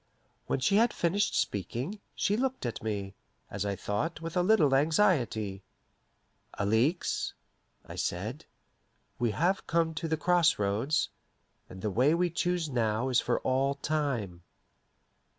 When she had finished speaking, she looked at me, as I thought, with a little anxiety. "Alixe," I said, "we have come to the cross roads, and the way we choose now is for all time."